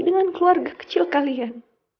dengan keluarga kecil kalian